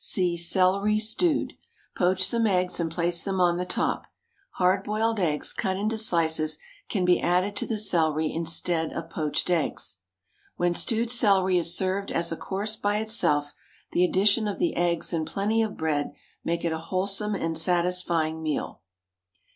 (See CELERY, STEWED.) Poach some eggs and place them on the top. Hard boiled eggs, cut into slices, can be added to the celery instead of poached eggs. When stewed celery is served as a course by itself, the addition of the eggs and plenty of bread make it a wholesome and satisfying meal.